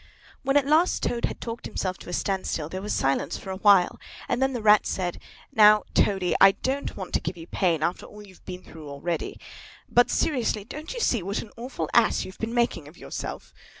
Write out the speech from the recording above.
When at last Toad had talked himself to a standstill, there was silence for a while; and then the Rat said, "Now, Toady, I don't want to give you pain, after all you've been through already; but, seriously, don't you see what an awful ass you've been making of yourself?